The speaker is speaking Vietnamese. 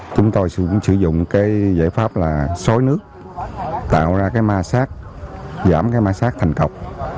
chúng tôi sử dụng giải pháp xoáy nước tạo ra ma sát giảm ma sát thành cọp